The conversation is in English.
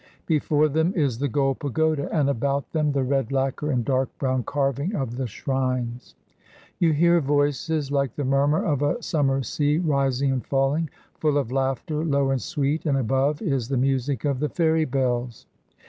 Before them is the gold pagoda, and about them the red lacquer and dark brown carving of the shrines. You hear voices like the murmur of a summer sea, rising and falling, full of laughter low and sweet, and above is the music of the fairy bells.